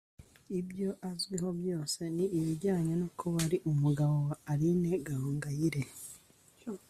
ibyo azwiho byose ni ibijyanye no kuba ari umugabo wa Aline Gahongayire